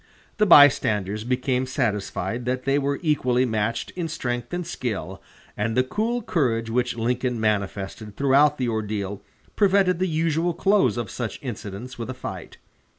The bystanders became satisfied that they were equally matched in strength and skill, and the cool courage which Lincoln manifested throughout the ordeal prevented the usual close of such incidents with a fight.